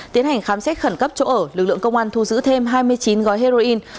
tiến hành khám xét khẩn cấp chỗ ở lực lượng công an thu giữ thêm hai mươi chín gói heroin